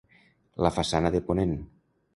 La façana de ponent.